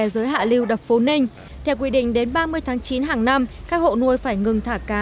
giới hạ lưu đập phú ninh theo quy định đến ba mươi tháng chín hàng năm các hộ nuôi phải ngừng thả cá